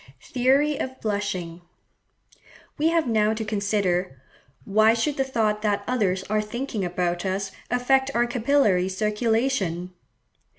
Theory of Blushing.—We have now to consider, why should the thought that others are thinking about us affect our capillary circulation?